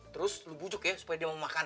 terus lo bujuk ya supaya dia mau makan